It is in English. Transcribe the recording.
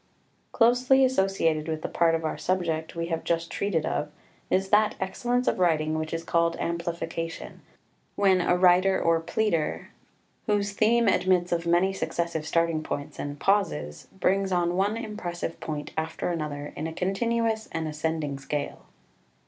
] XI Closely associated with the part of our subject we have just treated of is that excellence of writing which is called amplification, when a writer or pleader, whose theme admits of many successive starting points and pauses, brings on one impressive point after another in a continuous and ascending scale.